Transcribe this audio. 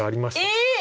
えっ！